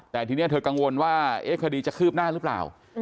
แต่ทีนี้เธอกังวลว่าคดีจะคืบหน้าหรือเปล่า